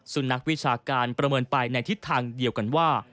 นักวิชาการประเมินไปในทิศทางเดียวกันว่า